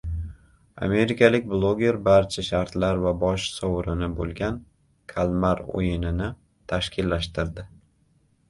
Amerikalik bloger barcha shartlar va bosh sovrini bo‘lgan “Kalmar o‘yini”ni tashkillashtirdi.